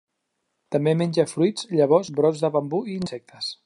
També menja fruits, llavors, brots de bambú i insectes.